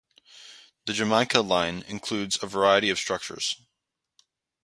The Jamaica Line includes a variety of structures.